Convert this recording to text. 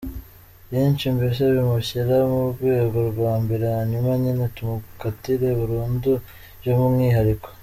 Byinshiiiiii mbese bimushyira mu rwego rwa mbere hanyuma nyine tumukatira burundu y’umwihariko.